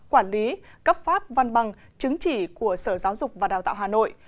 quản lý cấp pháp văn bằng chứng chỉ của sở giáo dục và đào tạo hà nội